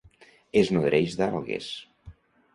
Es nodreix d'algues.